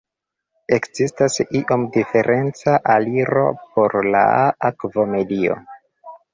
Ekzistas iom diferenca aliro por la akvaj medioj.